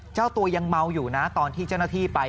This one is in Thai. เจ้าตัวยังเมาอยู่นะตอนที่เจ้าหน้าที่ไป